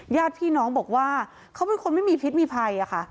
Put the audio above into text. ญาติพี่น้องบอกว่าเขาเป็นคนไม่มีพิษมีภัยค่ะ